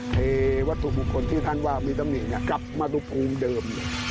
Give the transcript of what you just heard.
เทวะทุกคนที่ท่านว่ามิตามิกกลับมาทุกภูมิเดิมเลย